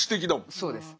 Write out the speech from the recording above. そうです。